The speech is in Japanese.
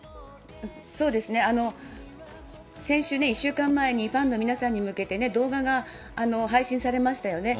先週、１週間前にファンの皆さんに向けてね、動画が配信されましたよね。